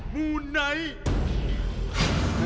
มูไนท์